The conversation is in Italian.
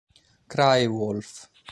Cry Wolf